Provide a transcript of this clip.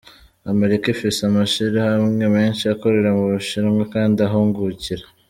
"Amerika ifise amashirahamwe menshi akorera mu Bushinwa kandi ahungukira.